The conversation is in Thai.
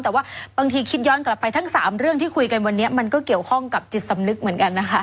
แต่ว่าบางทีคิดย้อนกลับไปทั้ง๓เรื่องที่คุยกันวันนี้มันก็เกี่ยวข้องกับจิตสำนึกเหมือนกันนะคะ